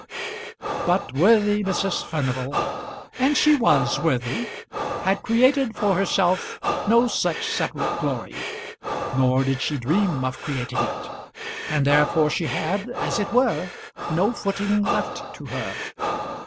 But worthy Mrs. Furnival and she was worthy had created for herself no such separate glory, nor did she dream of creating it; and therefore she had, as it were, no footing left to her.